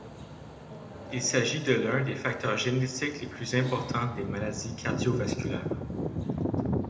Il s'agit de l'un des facteurs génétiques les plus importants des maladies cardiovasculaires.